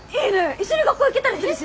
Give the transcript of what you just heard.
一緒に学校行けたりできるし。